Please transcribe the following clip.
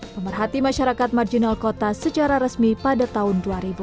pemerhati masyarakat marginal kota secara resmi pada tahun dua ribu dua